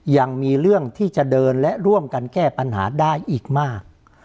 ยังมีเรื่องที่จะเดินและร่วมกันแก้ปัญหาได้อีกมาก